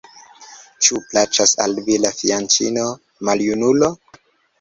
Ĉu plaĉas al vi la fianĉino, maljunulo?